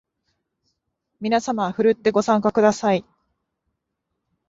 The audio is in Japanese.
みなさまふるってご参加ください